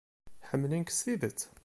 Ḥemmlen-k s tidet.